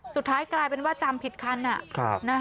สุดท้ายกลายเป็นว่าจำผิดคัน